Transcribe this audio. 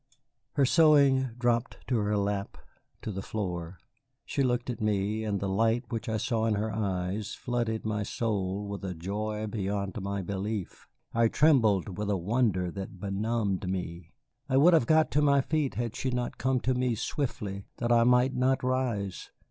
Her sewing dropped to her lap to the floor. She looked at me, and the light which I saw in her eyes flooded my soul with a joy beyond my belief. I trembled with a wonder that benumbed me. I would have got to my feet had she not come to me swiftly, that I might not rise.